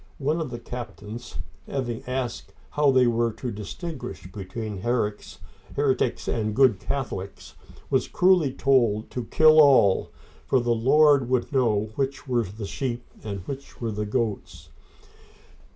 One of the captains, having asked how they were to distinguish between heretics and good Catholics, was cruelly told to kill all, for "the Lord would know which were the sheep and which were the goats!"